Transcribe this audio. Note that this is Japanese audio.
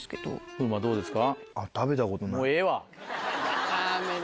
風磨どうですか？